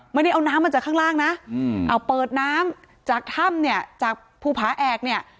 ไม่ได้เอาน้ำมาจากข้างล่างนะเอาเปิดน้ำจากถ้ำเนี่ยจากภูผาแอกเนี่ย